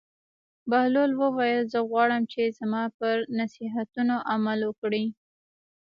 بهلول وویل: زه غواړم چې زما پر نصیحتونو عمل وکړې.